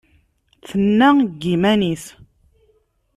Tenna deg yiman-is.